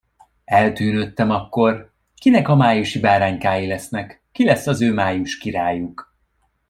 Eltűnődtem akkor: kinek a májusi báránykái lesznek, ki lesz az ő májuskirályuk?